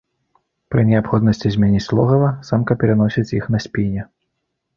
Пры неабходнасці змяніць логава, самка пераносіць іх на спіне.